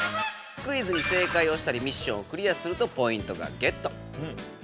クイズに正解をしたりミッションをクリアするとポイントがゲットですね。